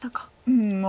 うん。